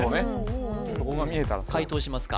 そこが見えたら解答しますか？